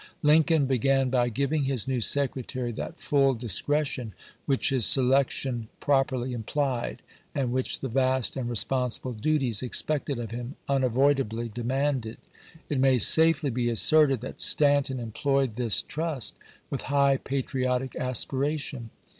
Lincoln began by giving his new Secretaiy that full ciiscretion which his selection properly implied, and which the vast and responsible duties expected of him unavoidably demanded. It may safely be asserted that Stanton employed this trust with high patriotic aspiration.